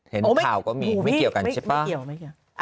เห็นข่าวก็มีไม่เกี่ยวกันใช่ป่ะ